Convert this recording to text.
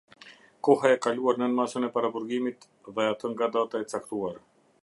Koha e kaluar nën masën e paraburgimit dhe atë nga data e caktuar.